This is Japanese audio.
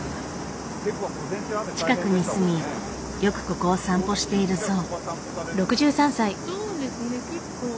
近くに住みよくここを散歩しているそう。